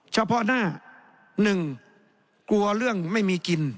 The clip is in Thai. เฉพาะหน้าหนึ่งกลัวเรื่องไม่มีกิน